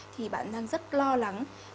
thì bạn đang rất lo lắng